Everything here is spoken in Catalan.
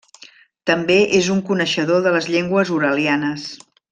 També és un coneixedor de les llengües uralianes.